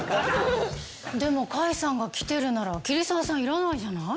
でも甲斐さんが来てるなら桐沢さんいらないじゃない。